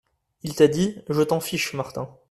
Il t’a dit : "Je t’en fiche !" Martin.